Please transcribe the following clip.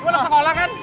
lu udah sekolah kan